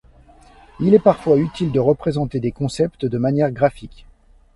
Il est parfois utile de représenter des concepts de manière graphique.